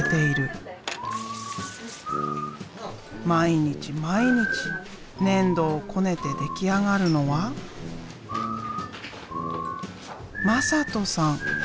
毎日毎日粘土をこねて出来上がるのは「まさとさん」。